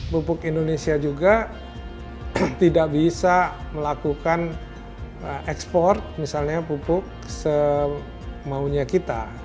pupuk indonesia juga tidak bisa melakukan ekspor misalnya pupuk semaunya kita